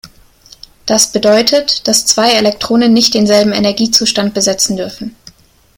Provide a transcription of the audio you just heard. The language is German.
Das bedeutet, dass zwei Elektronen nicht denselben Energiezustand besetzen dürfen.